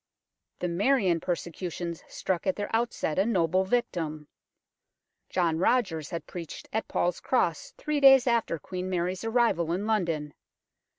The Marian persecutions struck at their outset a noble victim. John Rogers had preached at Paul's Cross three days after Queen Mary's arrival in London.